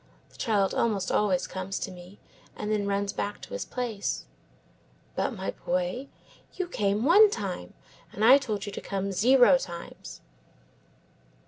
The child almost always comes to me, and then runs back to his place. "But, my boy, you came one time, and I told you to come zero times."